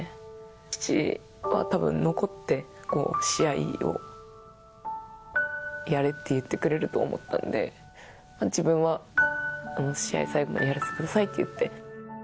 父はたぶん残って試合をやれって言ってくれると思ったんで、自分は、試合を最後までやらせてくださいと言って。